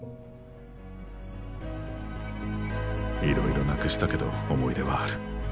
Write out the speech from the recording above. いろいろなくしたけど思い出はある。